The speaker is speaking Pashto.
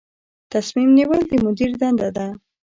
تصمیم نیول د مدیر دنده ده